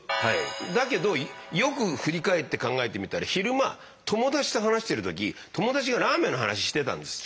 だけどよく振り返って考えてみたら昼間友達と話してる時友達がラーメンの話してたんです。